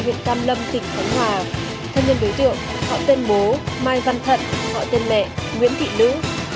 quyết định truy nã đối tượng mai văn thận họ tên mẹ nguyễn thị lữ